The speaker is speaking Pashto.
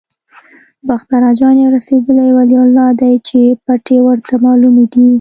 باختر اجان یو رسېدلی ولي الله دی چې پټې ورته معلومې دي.